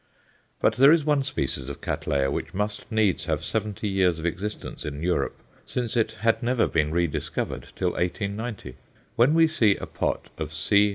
But there is one species of Cattleya which must needs have seventy years of existence in Europe, since it had never been re discovered till 1890. When we see a pot of _C.